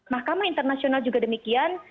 mahkamah internasional juga demikian